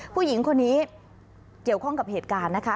ผู้หญิงคนนี้เกี่ยวข้องกับเหตุการณ์นะคะ